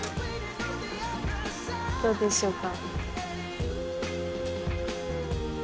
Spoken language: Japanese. どうでしょうか。